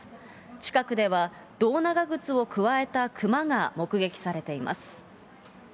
近くでは、胴長靴をくわえたクマが目撃されています。